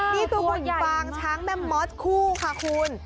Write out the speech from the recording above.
นี่คือหุ่นฟางช้างแม่มอดคู่ค่ะคุณ